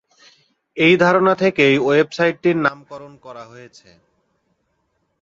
এই ধারণা থেকেই ওয়েবসাইটটির নামকরণ করা হয়েছে।